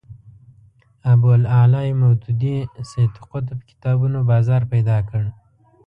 ابوالاعلی مودودي سید قطب کتابونو بازار پیدا کړ